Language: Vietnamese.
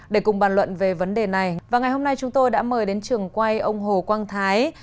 để cùng bàn luận về vấn đề này vào ngày hôm nay chúng tôi đã mời đến trường quay ông hồ quang thái